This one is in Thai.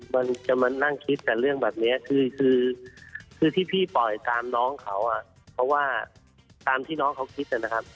มันจะมานั่งคิดแต่เรื่องแบบนี้คือคือที่พี่ปล่อยตามน้องเขาอ่ะเพราะว่าตามที่น้องเขาคิดนะครับ